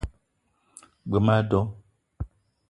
G-beu ma a do